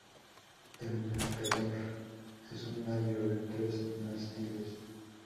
El Mercator es un navío de tres mástiles.